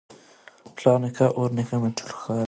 پلار نیکه او ورنیکه مي ټول ښکاریان وه